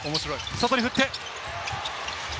外に振って。